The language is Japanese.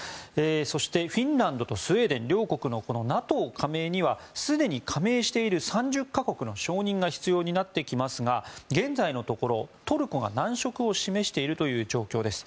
そして、フィンランドとスウェーデン両国のＮＡＴＯ加盟にはすでに加盟している３０か国の承認が必要になってきますが現在のところトルコが難色を示しているという状況です。